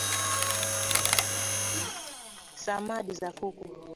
samadi za kuku